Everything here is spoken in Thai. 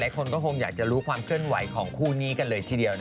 คนก็คงอยากจะรู้ความเคลื่อนไหวของคู่นี้กันเลยทีเดียว